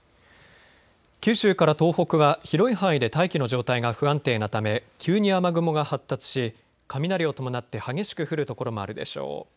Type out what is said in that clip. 九州から東北は広い範囲で大気の状態が不安定なため急に雨雲が発達し雷を伴って激しく降る所もあるでしょう。